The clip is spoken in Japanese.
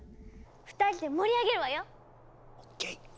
２人で盛り上げるわよ！ＯＫ！